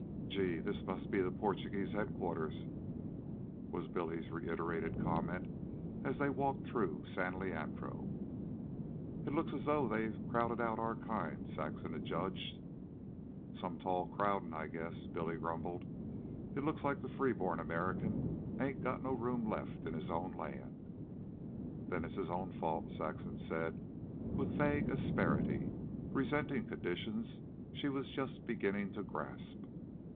"Gee! this must be the Porchugeeze headquarters," was Billy's reiterated comment, as they walked through San Leandro. "It looks as though they'd crowd our kind out," Saxon adjudged. "Some tall crowdin', I guess," Billy grumbled. "It looks like the free born American ain't got no room left in his own land." "Then it's his own fault," Saxon said, with vague asperity, resenting conditions she was just beginning to grasp.